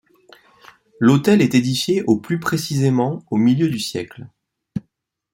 L'hôtel est édifié au plus précisément au milieu du siècle.